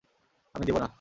আমি দেবো না।